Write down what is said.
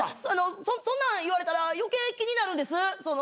そんなん言われたら余計気になるんです。